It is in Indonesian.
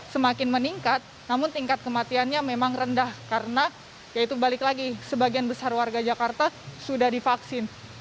semakin meningkat namun tingkat kematiannya memang rendah karena ya itu balik lagi sebagian besar warga jakarta sudah divaksin